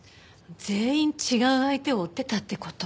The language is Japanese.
全員違う相手を追ってたって事？